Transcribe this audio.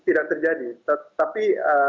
tidak terjadi tapi